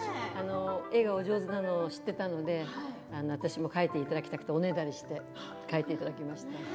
絵がお上手なのを知ってたので私も描いていただきたくておねだりして描いていただきました。